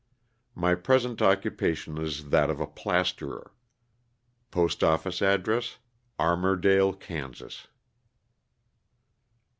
My present occupation is that of a plasterer. Post office address, Armourdale, Kansas.